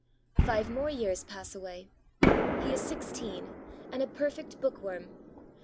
Five more years pass away. He is sixteen, and a perfect book worm.